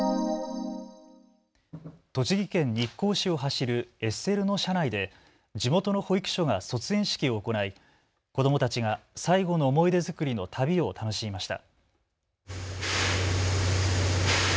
栃木県日光市を走るＳＬの車内で地元の保育所が卒園式を行い子どもたちが最後の思い出作りの旅を楽しみました。